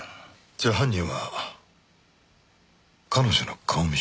じゃあ犯人は彼女の顔見知り？